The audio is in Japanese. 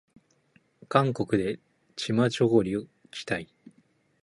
韓国でチマチョゴリを着たい